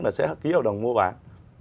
là sẽ ký hợp đồng mua bán